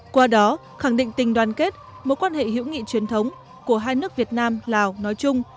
qua đó khẳng định tình đoàn kết mối quan hệ hữu nghị truyền thống của hai nước việt nam lào nói chung